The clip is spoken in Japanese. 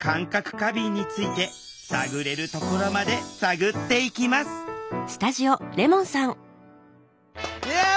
過敏について探れるところまで探っていきますイエイ！